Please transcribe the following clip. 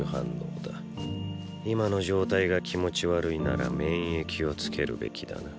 今の状態が気持ち悪いなら免疫をつけるべきだな。